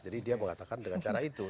jadi dia mengatakan dengan cara itu